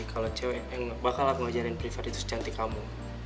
kalau cewek yang bakal ngajarin private itu secantik kamu